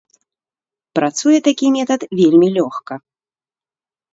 Працуе такі метад вельмі лёгка.